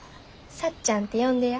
さっちゃんって呼んでや。